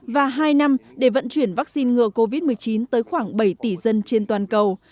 và hai năm để vận chuyển vaccine ngừa covid một mươi chín tới khoảng bảy tỷ dân trên toàn cầu